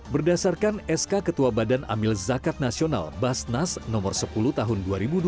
berdasarkan sk ketua badan amil zakat nasional basnas nomor sepuluh tahun dua ribu dua puluh